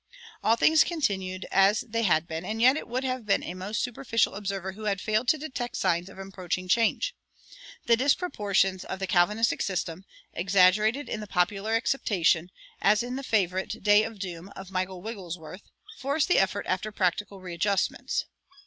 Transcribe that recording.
All things continued as they had been; and yet it would have been a most superficial observer who had failed to detect signs of approaching change. The disproportions of the Calvinistic system, exaggerated in the popular acceptation, as in the favorite "Day of Doom" of Michael Wigglesworth, forced the effort after practical readjustments.